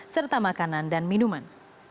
serta makanan dan minuman